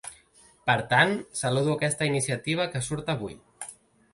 Per tant, saludo aquesta iniciativa que surt avui.